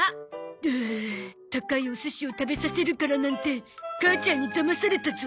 はあ高いお寿司を食べさせるからなんて母ちゃんにだまされたゾ。